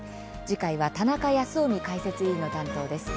次回は田中泰臣解説委員の担当です。